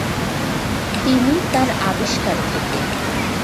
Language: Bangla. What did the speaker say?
তিনি তার আবিষ্কার থেকে